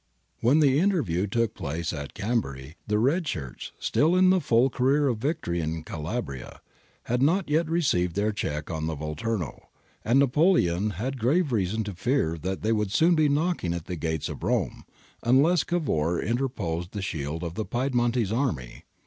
^ When the interview took place at Chambery the red shirts, still in the full career of victory in Calabria, had not yet received their check on the Volturno, and Napoleon had grave reason to fear that they would soon be knocking at the gates of Rome, unless Cavour inter posed the shield of the Piedmontese army.